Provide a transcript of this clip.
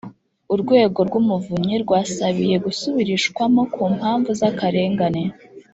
urwego rw’umuvunyi rwasabiye gusubirishwamo ku mpamvu z’akarengane